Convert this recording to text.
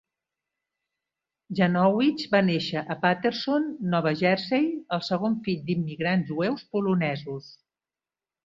Janowitz va néixer a Paterson, Nova Jersey, el segon fill d'immigrants jueus polonesos.